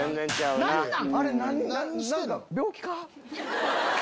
何なん？